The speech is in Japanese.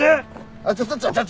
あっちょちょちょちょ。